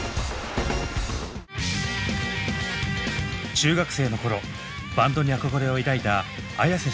中学生の頃バンドに憧れを抱いたＡｙａｓｅ